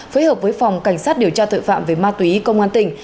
phối hợp với phòng cảnh sát điều tra tội phạm về ma túy công an tỉnh